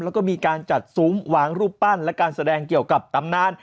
แล้วก็มีการจัดซุ้มวางรูปปั้นและการแสดงเกี่ยวกับตำนาน